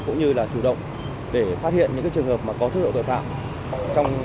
cũng như là chủ động để phát hiện những trường hợp có chức độ tội phạm